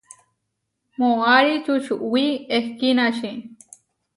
Moʼarí čučuwí ehkínači.